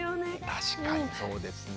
確かにそうですね。